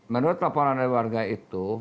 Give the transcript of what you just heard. menurut laporan dari warga itu